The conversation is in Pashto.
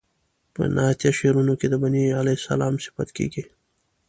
په نعتیه شعرونو کې د بني علیه السلام صفت کیږي.